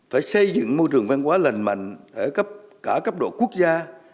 phải xây dựng môi trường văn hóa lành mạnh ở cấp cả cấp độ quốc gia